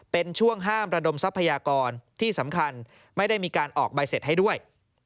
เป็นช่วงห้ามระดมทรัพยากรที่สำคัญไม่ได้มีการออกใบเสร็จให้ด้วย